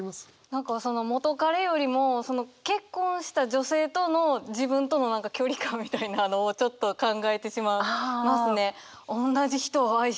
何かその元カレよりも結婚した女性との自分との距離感みたいなのをちょっと考えてしまいますね。